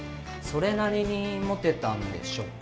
それなりにモテたんでしょ？